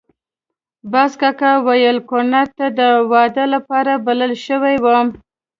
باز کاکا ویل کونړ ته د واده لپاره بلل شوی وم.